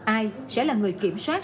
ai sẽ là người kiểm soát